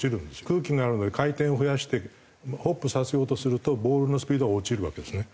空気があるので回転を増やしてホップさせようとするとボールのスピードは落ちるわけですね。